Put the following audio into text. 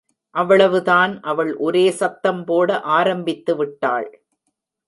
அவ்வளவுதான் அவள் ஒரே சத்தம் போட ஆரம்பித்துவிட்டாள்.